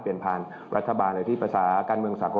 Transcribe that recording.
เปลี่ยนผ่านรัฐบาลอะไรที่ภาษาการเมืองสังคม